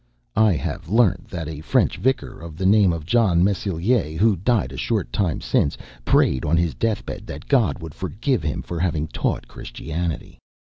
I have learnt that a French Vicar, of the name of John Meslier, who died a short time since, prayed on his death bed that God would forgive him for having taught Christianity.